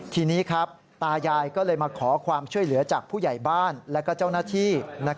ทีนี้ครับตายายก็เลยมาขอความช่วยเหลือจากผู้ใหญ่บ้านและเจ้าหน้าที่